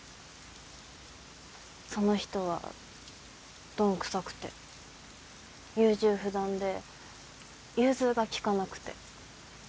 その人はどんくさくて優柔不断で融通が利かなくて。